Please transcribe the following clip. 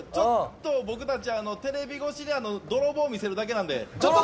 僕たちテレビ越しで泥棒を見せるだけなので。